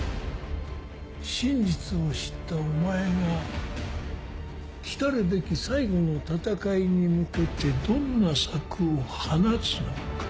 真実を知ったお前が来るべき最後の戦いに向けてどんな策を放つのか？